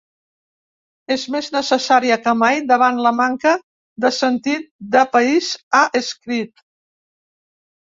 És més necessària que mai davant la manca de sentit de país, ha escrit.